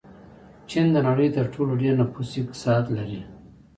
چین د نړۍ تر ټولو ډېر نفوس اقتصاد لري.